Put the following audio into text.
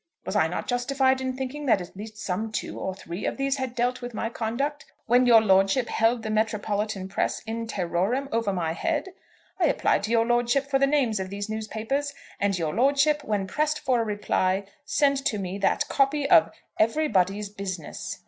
Was I not justified in thinking that at least some two or three of these had dealt with my conduct, when your lordship held the metropolitan press in terrorem over my head? I applied to your lordship for the names of these newspapers, and your lordship, when pressed for a reply, sent to me that copy of 'Everybody's Business.'